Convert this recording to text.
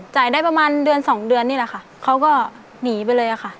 จ่ายได้ประมาณเดือนสองเดือนนี่แหละค่ะเขาก็หนีไปเลยค่ะ